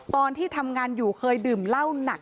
ตอนที่ทำงานอยู่เคยดื่มเหล้าหนัก